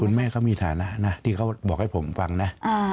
แม่เขามีฐานะนะที่เขาบอกให้ผมฟังนะ